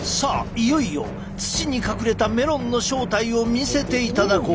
いよいよ土に隠れたメロンの正体を見せていただこう。